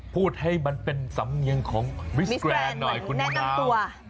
พูดให้มันเป็นสำเนียงของมิสแกรนด์หน่อยคุณนิวนาว